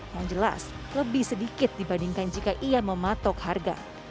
yang jelas lebih sedikit dibandingkan jika ia mematok harga